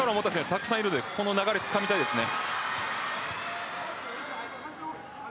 たくさんいるのでこの流れ、つかみたいですね。